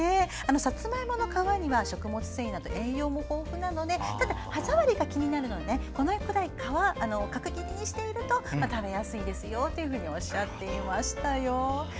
さつまいもの皮には食物繊維など栄養も豊富なので歯ざわりが気になるのでこのくらい角切りにしていると食べやすいですよとおっしゃっていましたよ。